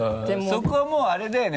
そこはもうあれだよね？